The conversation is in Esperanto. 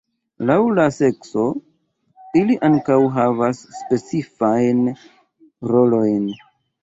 Laŭ la sekso, ili ankaŭ havas specifajn rolojn.